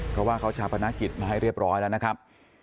เพราะว่าเขาชาปนกิจมาให้เรียบร้อยแล้วนะครับ